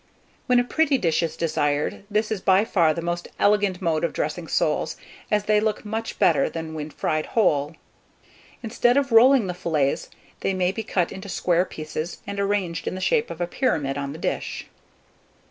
When a pretty dish is desired, this is by far the most elegant mode of dressing soles, as they look much better than when fried whole. (See Coloured Plate A.) Instead of rolling the fillets, they may be cut into square pieces, and arranged in the shape of a pyramid on the dish.